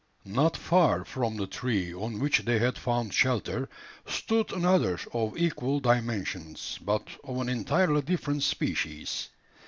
Not far from the tree on which they had found shelter, stood another of equal dimensions, but of an entirely different species.